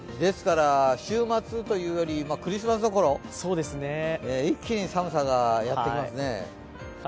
週末というより、クリスマスのころ一気に寒さがやってきますね。